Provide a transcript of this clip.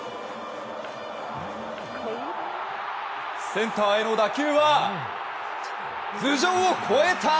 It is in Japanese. センターへの打球は頭上を越えた！